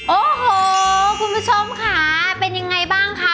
โอ้โหคุณผู้ชมค่ะเป็นยังไงบ้างคะ